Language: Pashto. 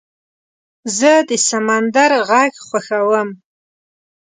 زه د سمندر غږ خوښوم.